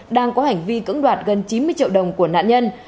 đang có hành vi cưỡng đoạt gần chín mươi triệu đồng của nạn nhân